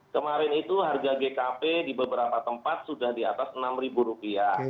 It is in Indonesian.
kemarin itu harga gkp di beberapa tempat sudah di atas rp enam